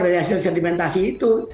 dari hasil sedimentasi itu